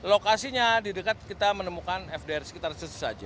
lokasinya di dekat kita menemukan fdr sekitar situ saja